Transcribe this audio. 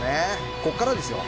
ここからですよ。